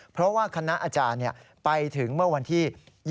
เพราะว่าคณะอาจารย์ไปถึงเมื่อวันที่๒๒